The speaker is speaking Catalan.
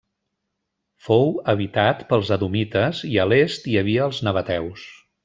Fou habitat pels edomites i a l'est hi havia els nabateus.